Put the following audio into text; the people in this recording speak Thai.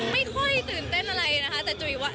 ไม่ค่อยตื่นเต้นอะไรนะคะ